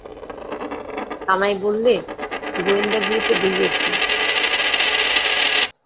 কানাই বললে, গোয়েন্দাগিরিতে বেরিয়েছি।